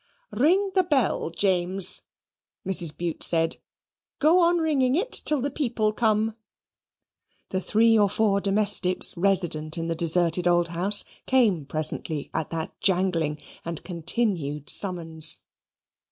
"Ring the bell, James," Mrs. Bute said. "Go on ringing it till the people come." The three or four domestics resident in the deserted old house came presently at that jangling and continued summons.